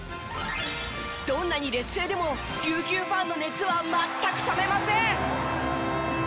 どんなに劣勢でも琉球ファンの熱は全く冷めません。